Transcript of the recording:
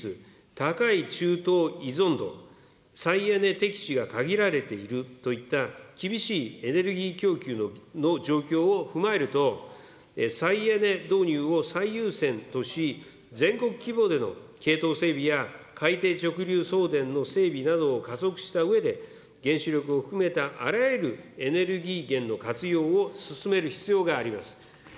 わが国の低いエネルギー自給率、高い中東依存度、再エネ適地がかえられているといった厳しいエネルギー供給の状況を踏まえると、再エネ導入を最優先とし、全国規模での系統整備や海底直流送電の整備などを加速したうえで、原子力を含めたあらゆるエネルギー源の活用を進める必要があります。